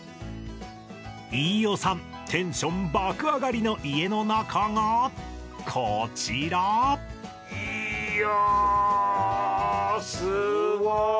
飯尾さんテンション爆上がりの家の中がこちらいやスゴい！